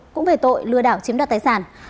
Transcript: cũng về tội lừa đảo chiếm đoạt tài sản